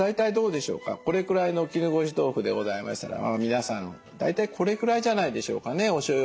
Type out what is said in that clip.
これくらいの絹ごし豆腐でございましたら皆さん大体これくらいじゃないでしょうかねおしょうゆ